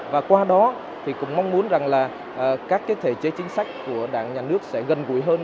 và qua đó thì cũng mong muốn rằng là các cái thể chế chính sách của đảng nhà nước sẽ gần gũi hơn